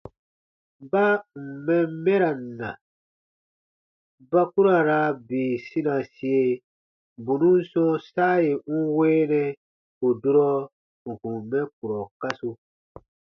Baa ǹ n mɛn mɛran na, ba ku ra raa bii sinasie bù nùn sɔ̃ɔ saa yè n weenɛ ù durɔ n kùn mɛ kurɔ kasu.